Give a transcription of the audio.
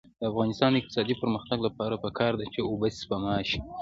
د افغانستان د اقتصادي پرمختګ لپاره پکار ده چې اوبه سپما شي.